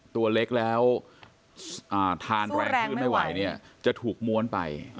ตัวเล็กแล้วทานแรงขึ้นไม่ไหวเนี่ยจะถูกม้วนไป